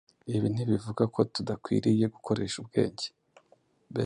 Ibi ntibivuga ko tudakwiriye gukoresha ubwenge